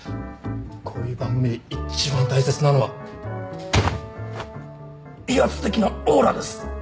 こういう番組で一番大切なのは威圧的なオーラです。